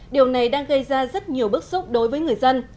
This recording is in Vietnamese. điều này đang gây ra rất nhiều bức xúc đối với người dân